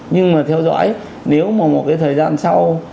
nhưng mà theo dõi nếu mà một cái thời gian sau